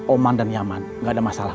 oman dan nyaman gak ada masalah